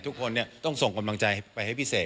ทุกคนต้องส่งกำลังใจไปให้พี่เสก